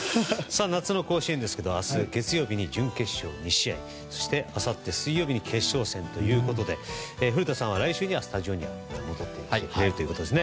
夏の甲子園は明日、月曜日に準決勝２試合そして、あさって水曜日に決勝戦ということで古田さんは来週にはスタジオに戻ってくるということです。